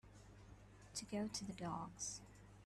To go to the dogs